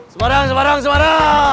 semarang semarang semarang